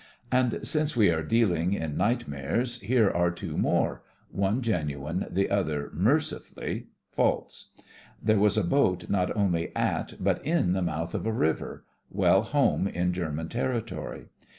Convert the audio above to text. And since we are dealing in night mares, here are two more — one gen uine, the other, mercifully, false. There was a boat not only at, but in the mouth of a river — well home in German territory.